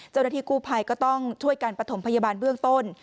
เจ้าหน้าที่กู้ภัยก็ต้องช่วยการประถมพยาบาลเบื้องต้น